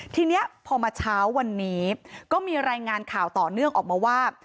ทีนี้พอมาเช้าวันนี้ก็มีรายงานข่าวต่อเนื่องออกมาว่า